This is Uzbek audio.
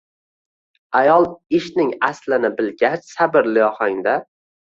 Ayol ishning aslini bilgach, sabrli ohangda